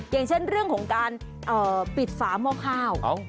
อย่างเช่นเรื่องของการปิดฝาหม้อข้าว